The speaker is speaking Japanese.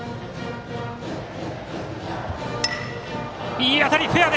いい当たり、フェア！